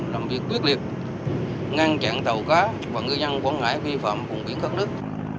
làm việc quyết liệt ngăn chặn tàu cá và ngư dân quảng ngãi vi phạm vùng biển khắc nước